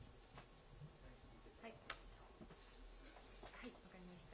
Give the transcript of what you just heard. はい、分かりました。